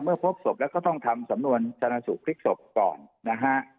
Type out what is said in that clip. เมื่อพบศพแล้วก็ต้องทำสำนวนจรรย์สุขฤทธิ์ศพก่อนนะฮะ